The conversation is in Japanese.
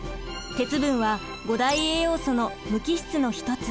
鉄分は５大栄養素の無機質の一つ。